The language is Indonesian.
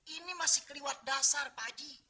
ini masih kelewat dasar pakcik